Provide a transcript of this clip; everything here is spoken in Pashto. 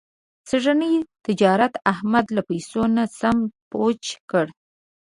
سږني تجارت احمد له پیسو نه سم پوچ کړ.